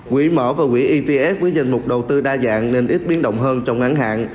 quỹ mở và quỹ etf với danh mục đầu tư đa dạng nên ít biến động hơn trong ngắn hạn